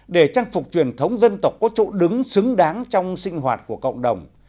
để trang phục truyền thống dân tộc có chỗ đứng xứng đáng trong sinh hoạt của cộng đồng